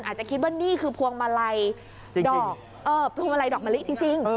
อาจจะคิดว่านี้คือพวงมาลัยดอกมะลิ